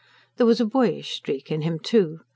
There was a boyish streak in him, too.